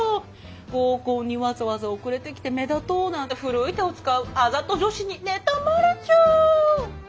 合コンにわざわざ遅れてきて目立とうなんて古い手を使うあざと女子に妬まれちゃう。